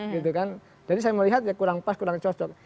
jadi saya melihat kurang pas kurang cocok